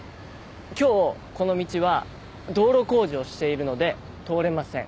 今日この道は道路工事をしているので通れません。